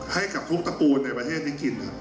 ให้กับทุกตระกูลในประเทศนี้กินครับ